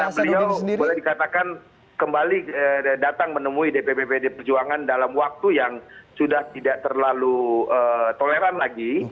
karena beliau boleh dikatakan kembali datang menemui dpp pdi perjuangan dalam waktu yang sudah tidak terlalu toleran lagi